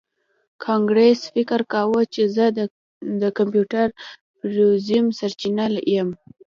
کانګرس فکر کاوه چې زه د کمپیوټري تروریزم سرچینه یم